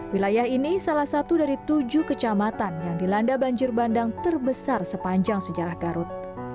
wilayah ini salah satu dari tujuh kecamatan yang dilanda banjir bandang terbesar sepanjang sejarah garut